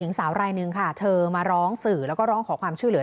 หญิงสาวรายหนึ่งค่ะเธอมาร้องสื่อแล้วก็ร้องขอความช่วยเหลือ